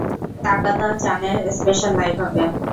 তাকাদা-চানের special live হবে!